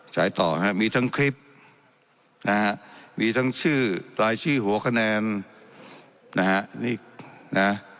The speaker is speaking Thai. ต่อฮะมีทั้งคลิปนะฮะมีทั้งชื่อรายชื่อหัวคะแนนนะฮะนี่นะ